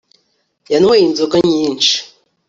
yanyweye inzoga nyinshi